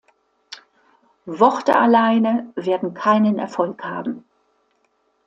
Worte alleine werden keinen Erfolg haben.